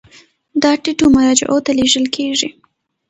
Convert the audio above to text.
دا ټیټو مرجعو ته لیږل کیږي.